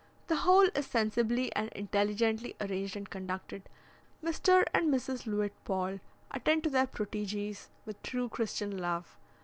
The whole is sensibly and intelligently arranged and conducted; Mr. and Mrs. Luitpold attend to their proteges with true Christian love.